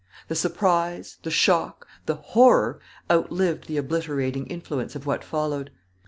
The surprise, the shock, the horror, outlived the obliterating influence of what followed.